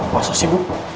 masa sih bu